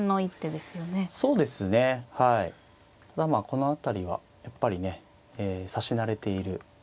この辺りはやっぱりね指し慣れている。